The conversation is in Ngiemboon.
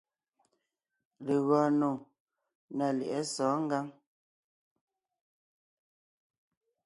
Legɔɔn nò ná lyɛ̌ʼɛ sɔ̌ɔn ngǎŋ.